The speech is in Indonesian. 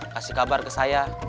kasih kabar ke saya